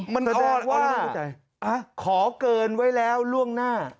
มันแสดงว่าขอเกินไว้แล้วล่วงหน้า